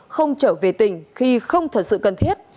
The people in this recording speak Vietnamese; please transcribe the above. không trở về tỉnh khi không thật sự cần thiết